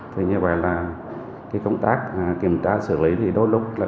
thì như vậy là cái công tác kiểm tra xử lý thì đôi lúc là